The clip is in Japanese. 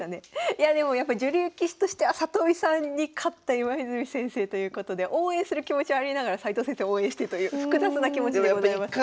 いやでもやっぱ女流棋士としては里見さんに勝った今泉先生ということで応援する気持ちはありながら斎藤先生を応援してという複雑な気持ちでございます。